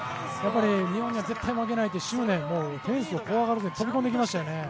日本に絶対負けないってフェンスを怖がらずに飛び込んできましたよね。